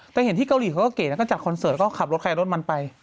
แต่เห็นที่เกาหลีเขาก็เก่งจัดคอนเสิร์ตก็ขับรถไข่รถมันไป